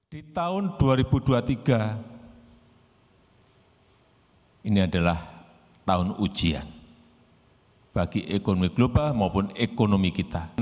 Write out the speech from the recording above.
di tahun dua ribu dua puluh tiga ini adalah tahun ujian bagi ekonomi global maupun ekonomi kita